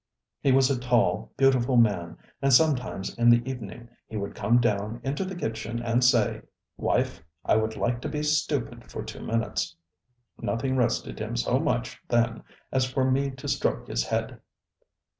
He was a tall, beautiful man, and sometimes in the evening he would come down into the kitchen and say: ŌĆśWife, I would like to be stupid for two minutes. ŌĆÖ Nothing rested him so much then as for me to stroke his head.